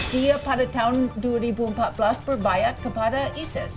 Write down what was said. dia pada tahun dua ribu empat belas berbayat kepada isis